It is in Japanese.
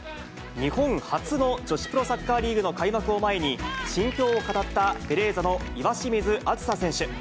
日本初の女子プロサッカーリーグの開幕を前に、心境を語ったベレーザの岩清水梓選手。